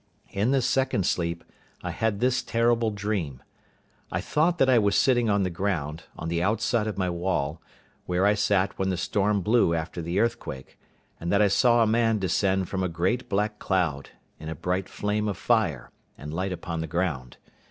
In this second sleep I had this terrible dream: I thought that I was sitting on the ground, on the outside of my wall, where I sat when the storm blew after the earthquake, and that I saw a man descend from a great black cloud, in a bright flame of fire, and light upon the ground.